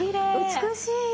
美しい。